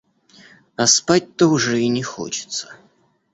А спать-то уже и не хочется.